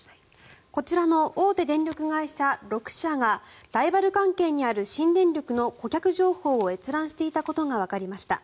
こちらの大手電力会社６社がライバル関係にある新電力の顧客情報を閲覧していたことがわかりました。